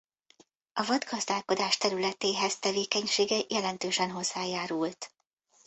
A vadgazdálkodás területéhez tevékenysége jelentősen hozzájárult.